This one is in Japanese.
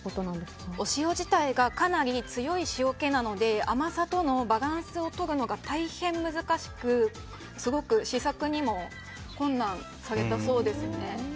お塩自体がかなり強い塩気なので甘さとのバランスをとるのが大変、難しくすごく試作にも困難されたそうです。